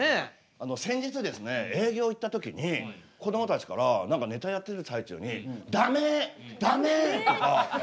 あの先日ですね営業行った時にこどもたちから何かネタやってる最中に「ダメ！ダメ！」とか。